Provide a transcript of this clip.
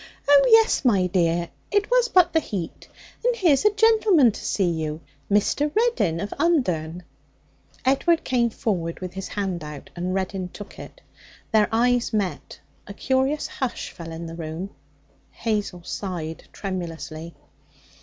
'Oh yes, my dear. It was but the heat. And here's a gentleman to see you. Mr. Reddin of Undern.' Edward came forward with his hand out, and Reddin took it. Their eyes met; a curious hush fell on the room; Hazel sighed tremulously.